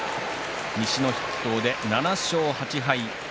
西の筆頭で７勝８敗。